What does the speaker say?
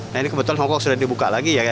nah ini kebetulan hongkong sudah dibuka lagi